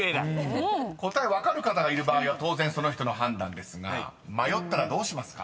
［答え分かる方がいる場合は当然その人の判断ですが迷ったらどうしますか？］